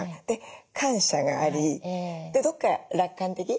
で感謝がありでどっか楽観的。